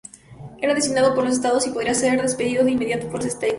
Era designado por los estados y podría ser despedido de inmediato por los Estates.